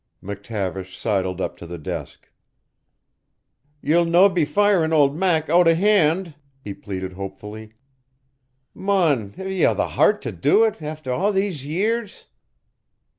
McTavish sidled up to the desk. "Ye'll no be firin' auld Mac oot o' hand?" he pleaded hopefully. "Mon, ha ye the heart to do it after a' these years?"